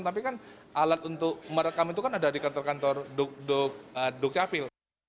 tapi kan alat untuk merekam itu kan ada di kantor kantor dukcapil